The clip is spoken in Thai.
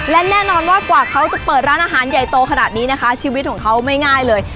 และแน่นอนว่ากว่าเขาจะเปิดร้านอาหารใหญ่โตขนาดนี้นะคะชีวิตของเขาไม่ง่ายเลย